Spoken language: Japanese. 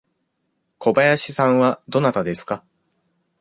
小林さんはどなたですか。